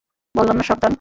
বললাম না সাবধান।